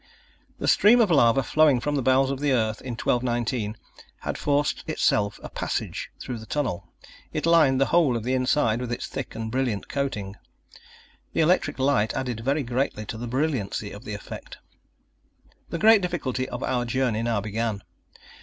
The stream of lava flowing from the bowels of the earth in 1219 had forced itself a passage through the tunnel. It lined the whole of the inside with its thick and brilliant coating. The electric light added very greatly to the brilliancy of the effect. The great difficulty of our journey now began.